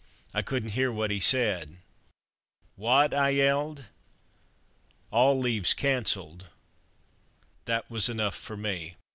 I couldn't hear what he said. "What?" I yelled. "All leave's cancelled!" That was enough for me.